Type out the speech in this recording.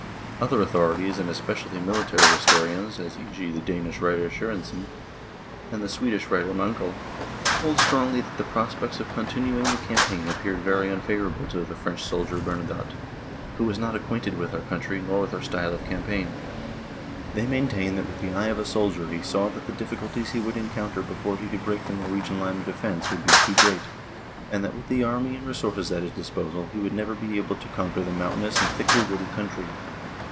Other authorities and especially military historians, as e.g. the Danish writer Sorensen l and the Swedish writer Mankell, 2 hold strongly that the prospects of con tinuing the campaign appeared very unfavourable to the French soldier Bernadotte, who was not ac quainted with our country nor with our style of campaign. They maintain that with the eye of the 1 Sorensen, Kampen om Norge. Copenhagen, 1871. 2 Mankell, Felttoget i Norge. 1814. THE TREATY OF KIEL 17 soldier he saw that the difficulties he would encounter before he could break the Norwegian line of defence, would be too great, and that with the army and re sources at his disposal he would never be able to con quer the mountainous and thickly wooded country.